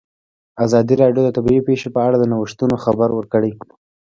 ازادي راډیو د طبیعي پېښې په اړه د نوښتونو خبر ورکړی.